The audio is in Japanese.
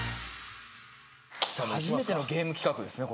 初めてのゲーム企画ですね。